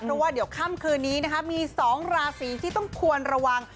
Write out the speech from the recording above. เพราะว่าเดี๋ยวค่ำคืนนี้นะคะมี๒ราศีที่ต้องควรระวัง